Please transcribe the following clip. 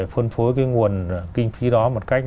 phân phối cái nguồn kinh phí đó một cách